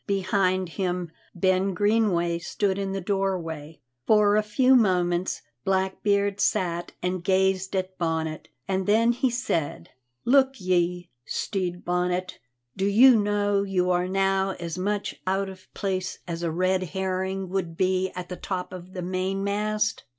Behind him Ben Greenway stood in the doorway. For a few moments Blackbeard sat and gazed at Bonnet, and then he said: "Look ye, Stede Bonnet, do you know you are now as much out of place as a red herring would be at the top of the mainmast?"